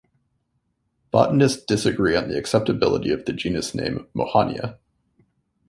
Botanists disagree on the acceptability of the genus name "Mahonia".